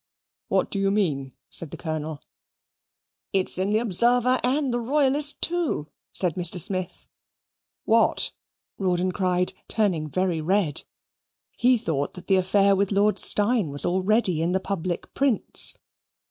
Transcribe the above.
"What do you mean?" said the Colonel. "It's in the Observer and the Royalist too," said Mr. Smith. "What?" Rawdon cried, turning very red. He thought that the affair with Lord Steyne was already in the public prints.